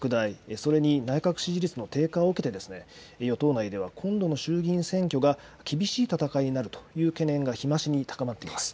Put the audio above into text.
それに内閣支持率の低下を受けて与党内では今度の衆議院選挙が厳しい戦いになるという懸念が日増しに高まっています。